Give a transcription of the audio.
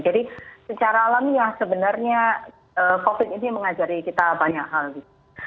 jadi secara alami ya sebenarnya covid sembilan belas ini mengajari kita banyak hal gitu